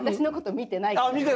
見てない。